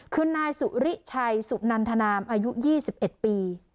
คือนายสุริชัยสุนันทนามอายุ๒๑ปี